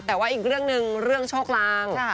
แต่ว่าอีกเรื่องหนึ่งเรื่องโชคลาง